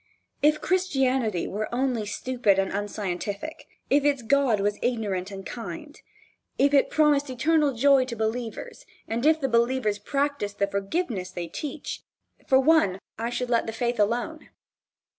If Christianity were only stupid and unscientific, if its God was ignorant and kind, if it promised eternal joy to believers and if the believers practiced the forgiveness they teach, for one I should let the faith alone.